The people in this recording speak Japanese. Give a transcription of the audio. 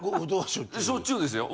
しょっちゅうですよ。